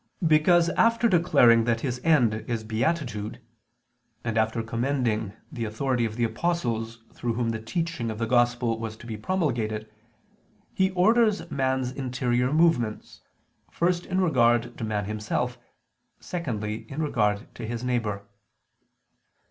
Because after declaring that his end is Beatitude; and after commending the authority of the apostles, through whom the teaching of the Gospel was to be promulgated, He orders man's interior movements, first in regard to man himself, secondly in regard to his neighbor.